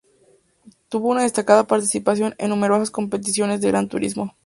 Tuvo una destacada participación en numerosas competiciones de gran turismo.